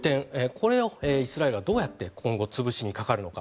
これをイスラエルはどうやって今後潰しにかかるのか